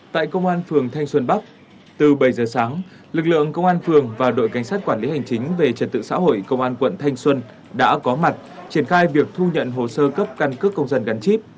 tại công an phường thanh xuân bắc từ bảy giờ sáng lực lượng công an phường và đội cảnh sát quản lý hành chính về trật tự xã hội công an quận thanh xuân đã có mặt triển khai việc thu nhận hồ sơ cấp căn cước công dân gắn chip